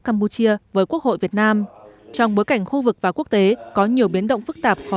campuchia với quốc hội việt nam trong bối cảnh khu vực và quốc tế có nhiều biến động phức tạp khó